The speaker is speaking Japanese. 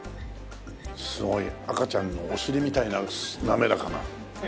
すごい赤ちゃんのお尻みたいな滑らかな。